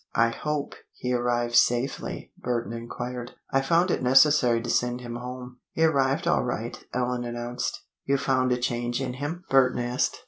"I hope he arrived safely?" Burton inquired. "I found it necessary to send him home." "He arrived all right," Ellen announced. "You found a change in him?" Burton asked.